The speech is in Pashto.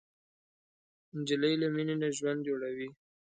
نجلۍ له مینې نه ژوند جوړوي.